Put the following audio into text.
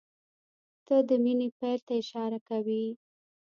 تله د مني پیل ته اشاره کوي.